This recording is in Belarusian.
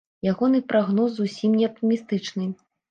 Ягоны прагноз зусім не аптымістычны.